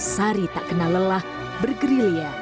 sari tak kenal lelah bergerilya